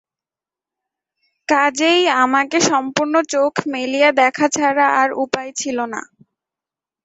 কাজেই আমাকে সম্পূর্ণ চোখ মেলিয়া দেখা ছাড়া আর উপায় ছিল না।